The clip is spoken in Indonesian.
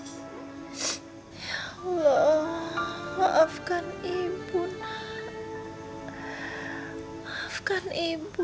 ya allah maafkan ibu nak maafkan ibu